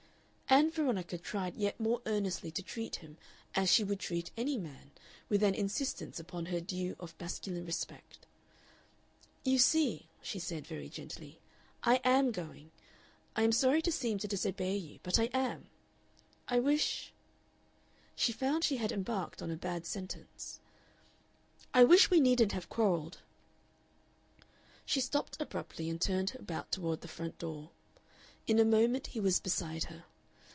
Ann Veronica tried yet more earnestly to treat him, as she would treat any man, with an insistence upon her due of masculine respect. "You see," she said, very gently, "I AM going. I am sorry to seem to disobey you, but I am. I wish" she found she had embarked on a bad sentence "I wish we needn't have quarrelled." She stopped abruptly, and turned about toward the front door. In a moment he was beside her.